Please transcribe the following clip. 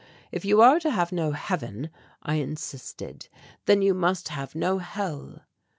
'If you are to have no Heaven,' I insisted, 'then you must have no Hell.'